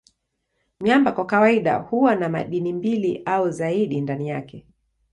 Miamba kwa kawaida huwa na madini mbili au zaidi ndani yake.